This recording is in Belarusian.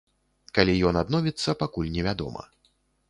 Калі ён адновіцца, пакуль невядома.